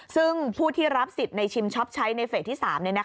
ซึ่งผู้ที่รับสิทธิ์ในชิมช็อปใช้ในเฟสที่๓